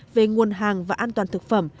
về nguồn hàng và an toàn thực phẩm